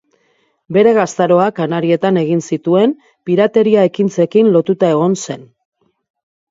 Bere gaztaroa Kanarietan egin zituen pirateria ekintzekin lotuta egon zen.